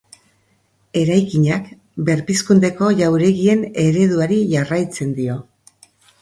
Eraikinak Berpizkundeko jauregien ereduari jarraitzen dio.